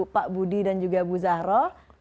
pak budi dan juga ibu zahra